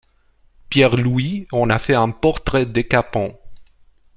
Pierre Louÿs en a fait un portrait décapant.